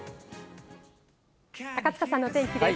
高塚さんの天気です。